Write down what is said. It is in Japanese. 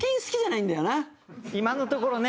今のところね。